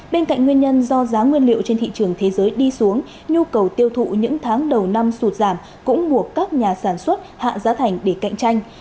bên cạnh nguyên nhân do giá nguyên liệu trên thị trường thế giới đi xuống nhu cầu tiêu thụ những tháng đầu năm sụt giảm cũng buộc các nhà sản xuất hạ giá thành để cạnh tranh